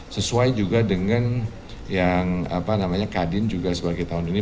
sesuai juga dengan yang kadin juga sebagai tahun ini